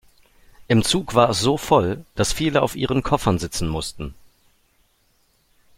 Im Zug war es so voll, dass viele auf ihren Koffern sitzen mussten.